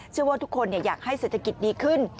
เชื่อว่าทุกคนอยากให้เศรษฐกิจดีขึ้น